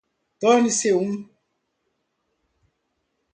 Torne-se um